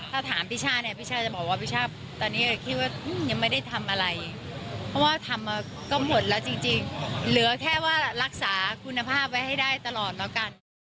ถ้าถามพี่ช่าเนี่ยพี่ช่าจะบอกว่าพี่ช่าตอนนี้คิดว่ายังไม่ได้ทำอะไรเพราะว่าทำมาก็หมดแล้วจริงเหลือแค่ว่ารักษาคุณภาพไว้ให้ได้ตลอดแล้วกัน